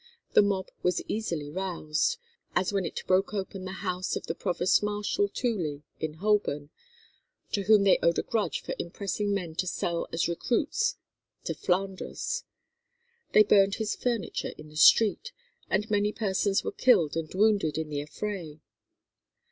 The mob was easily roused, as when it broke open the house of the Provost Marshal Tooley in Holborn, to whom they owed a grudge for impressing men to sell as recruits to Flanders. They burned his furniture in the street, and many persons were killed and wounded in the affray.